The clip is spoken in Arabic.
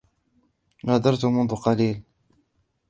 غادرت منذ قليل.